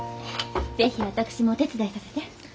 是非私もお手伝いさせて。